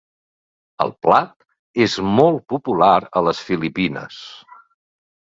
El plat és molt popular a les Filipines.